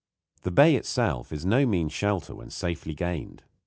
The bay itself is no mean shelter when safely gained.